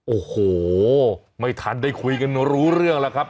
โอ้โหไม่ทันได้คุยกันรู้เรื่องแล้วครับ